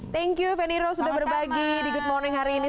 terima kasih fanny rose sudah berbagi di good morning hari ini